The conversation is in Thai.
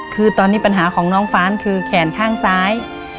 คือตอนนี้ปัญหาของน้องฟ้านคือแขนข้างซ้าย